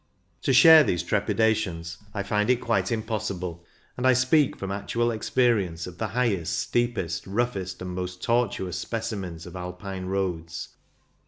189 To share these trepidations I find it quite impossible, and I ispeak from actual experience of the highest, steepest, roughest and most tortuous specimens of Alpine roads.